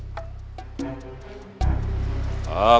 kau tidak suka ini